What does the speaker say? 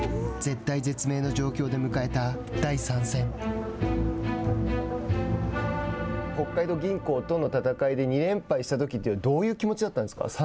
絶体絶命の状況で迎えた北海道銀行との戦いで２連敗したときってどういう気持ちだったんですか。